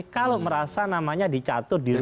kalau merasa namanya dicatur dirumitkan